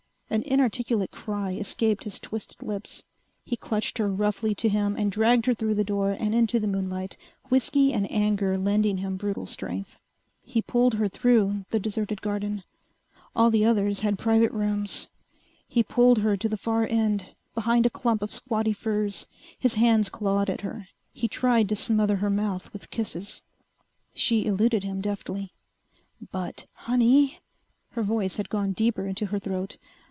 An inarticulate cry escaped his twisted lips. He clutched her roughly to him and dragged her through the door and into the moonlight, whiskey and anger lending him brutal strength. He pulled her through the deserted garden. All the others had private rooms! He pulled her to the far end, behind a clump of squatty firs. His hands clawed at her. He tried to smother her mouth with kisses. She eluded him deftly. "But, honey!" Her voice had gone deeper into her throat.